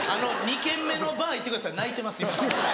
２軒目のバー行ってください泣いてますよ。